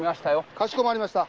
かしこまりました。